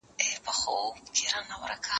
موږ چي ول دوی به بالا دلته نه اوسي